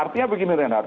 artinya begini renard